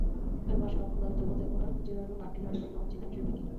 তবে বার্সার রক্ষণভাগের দুর্বলতা একপ্রকার জেরার্ডো মার্টিনোর জন্য চিন্তার বিষয় বৈকি।